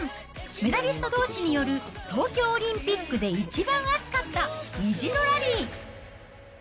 メダリストどうしによる東京オリンピックで一番熱かった意地のラリー。